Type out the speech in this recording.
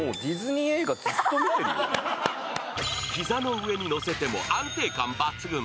膝の上に乗せても安定感抜群。